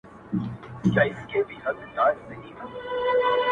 هره ورځ به وو دهقان ته پټ په غار کي.!